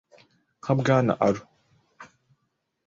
nka Bwana Arrow? ”